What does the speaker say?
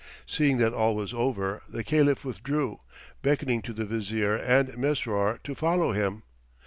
Seeing that all was over the Caliph withdrew, beckoning to the Vizier and Mesrour to follow him.